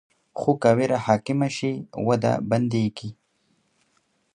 خو که ویره حاکمه شي، وده بندېږي.